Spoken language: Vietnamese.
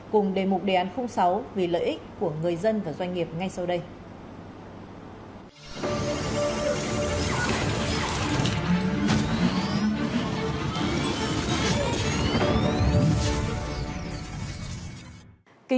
cùng đề mục đề án sáu vì lợi ích của người dân và doanh nghiệp ngay sau đây